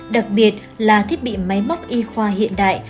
đặc biệt là thiết bị máy móc y khoa hiện đại